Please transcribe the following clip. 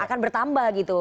akan bertambah gitu